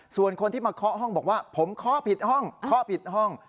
ส่วนคนที่มาเคาะห้องบอกว่าผมเคาะผิดห้องเคาะผิดห้อง